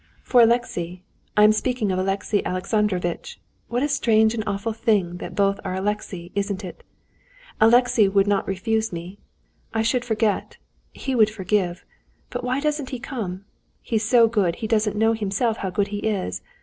"For Alexey—I am speaking of Alexey Alexandrovitch (what a strange and awful thing that both are Alexey, isn't it?)—Alexey would not refuse me. I should forget, he would forgive.... But why doesn't he come? He's so good he doesn't know himself how good he is.